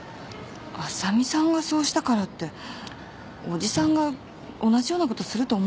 浅見さんがそうしたからっておじさんが同じようなことすると思えないですけど。